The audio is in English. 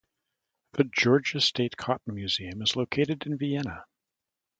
The Georgia State Cotton Museum is located in Vienna.